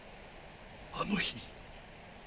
あの日。